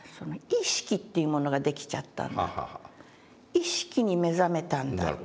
意識に目覚めたんだ」と。